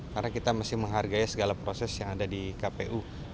karena kita mesti menghargai segala proses yang ada di kpu